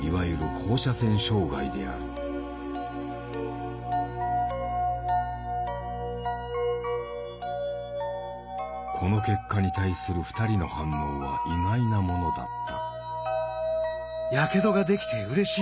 いわゆるこの結果に対する２人の反応は意外なものだった。